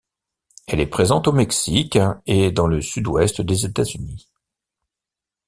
Elle est présente au Mexique et dans le sud-ouest des États-Unis.